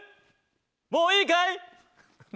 もういいかい？